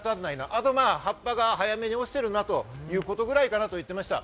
あと葉っぱが早めに落ちてるなということぐらいかなとおっしゃってました。